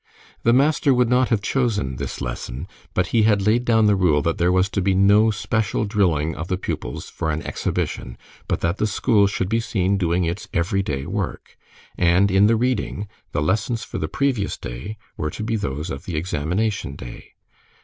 The master would not have chosen this lesson, but he had laid down the rule that there was to be no special drilling of the pupils for an exhibition, but that the school should be seen doing its every day work; and in the reading, the lessons for the previous day were to be those of the examination day.